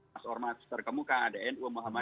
mas ormas terkemuka